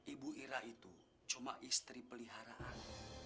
ibu ira itu cuma istri peliharaan